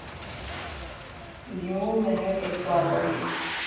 یوں مہم ایک سال رہی۔